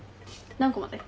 何個まで？